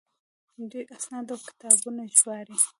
دوی اسناد او کتابونه ژباړي.